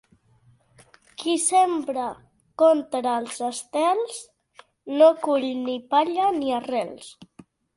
Qui sembra contra els estels no cull ni palla ni arrels.